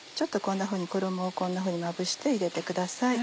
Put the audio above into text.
衣をこんなふうにまぶして入れてください。